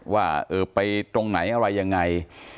ว่าเออไปตรงไหนอะไรยังไง